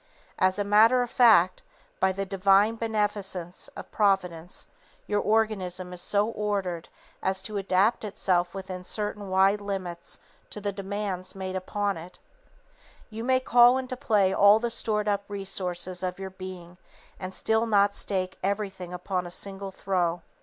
As a matter of fact, by the divine beneficence of Providence, your organism is so ordered as to adapt itself within certain wide limits to the demands made upon it. [Sidenote: Fast Living and Long Living] You may call into play all the stored up resources of your being and still not stake everything upon a single throw.